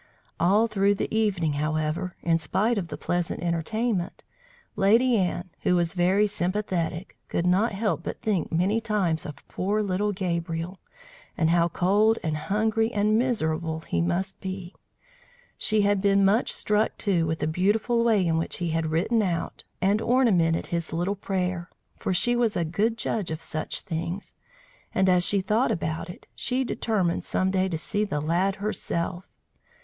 All through the evening, however, in spite of the pleasant entertainment, Lady Anne, who was very sympathetic, could not help but think many times of poor little Gabriel, and how cold and hungry and miserable he must be! She had been much struck, too, with the beautiful way in which he had written out and ornamented his little prayer, for she was a good judge of such things; and, as she thought about it, she determined some day to see the lad herself.